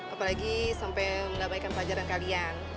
apalagi sampai menggabaikan pacaran kalian